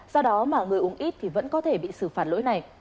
do đó mà người uống ít thì vẫn có thể bị xử phạt lỗi này